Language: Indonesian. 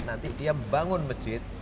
nanti dia bangun masjid